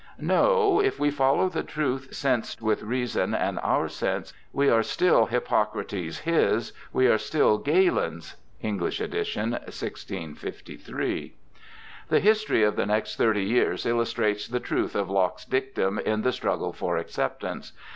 No, if we follow the truth senced with reason and our sense, we are still Hippocrates his, we are still Galen's ' (English edition, 1653). The history of the next thirty years illustrates the truth of Locke's dictum in the struggle for acceptance.